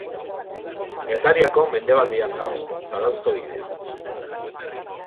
Getariako mendebaldean dago, Zarauzko bidean.